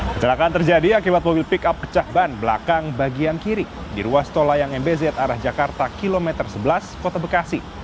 kecelakaan terjadi akibat mobil pick up pecah ban belakang bagian kiri di ruas tol layang mbz arah jakarta kilometer sebelas kota bekasi